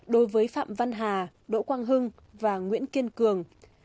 đối với phạm văn hà đỗ quang hưng và nguyễn kiên cường